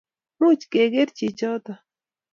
Much kegeer chichoto